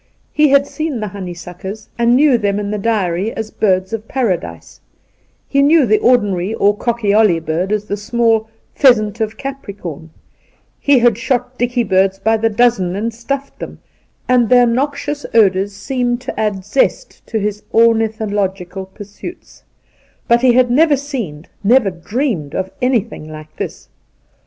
He had seen the honeysuekers, and knew them in the diary as ' birds of Paradise '; he knew the ordinary or cockyolly bird as the small * pheasant of Capricorn'; he had shot dicky birds by the dozen and stufied them, and their noxious odours seemed to add zest to his ornithological pursuits ; but he had never seen, never dreamed of, anything like this.